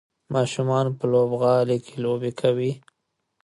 ماشومان په لوبغالي کې لوبې کوي.